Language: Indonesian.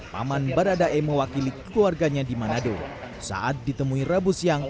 paman baradae mewakili keluarganya di manado saat ditemui rabu siang